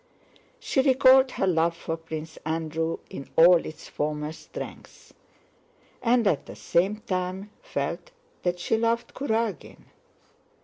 She recalled her love for Prince Andrew in all its former strength, and at the same time felt that she loved Kurágin.